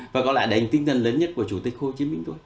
và có lại là đềnh tinh thần lớn nhất của chủ tịch hồ chí minh tôi